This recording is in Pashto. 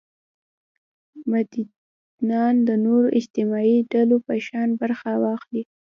متدینان د نورو اجتماعي ډلو په شان برخه واخلي.